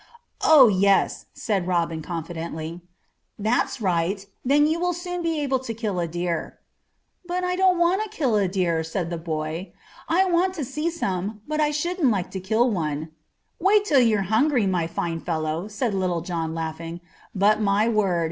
"Oh! yes," said Robin confidently. "That's right! then you will soon be able to kill a deer." "But I don't want to kill a deer," said the boy. "I want to see some, but I shouldn't like to kill one." "Wait till you're hungry, my fine fellow," said Little John, laughing. "But my word!